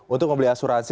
untuk membeli asuransi